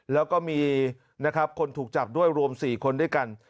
แล้วก็มีนะครับคนถูกจับด้วยรวม๔คนด้วยกัน